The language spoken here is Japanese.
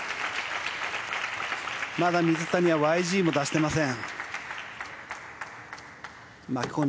まだ水谷はＹＧも出していません。